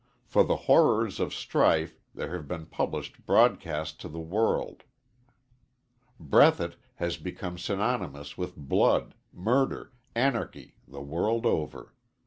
For the horrors of strife there have been published broadcast to the world. "Breathitt" has become synonymous with blood, murder, anarchy, the world over.